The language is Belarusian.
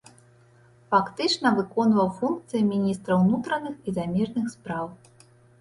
Фактычна выконваў функцыі міністра унутраных і замежных спраў.